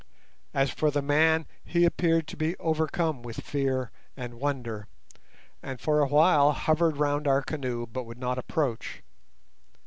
As for the man, he appeared to be overcome with fear and wonder, and for a while hovered round our canoe, but would not approach.